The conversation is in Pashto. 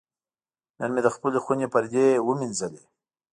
نن مې د خپلې خونې پردې وینځلې.